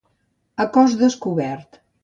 A cos descobert.